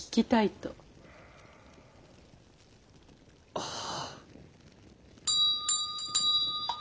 ああ。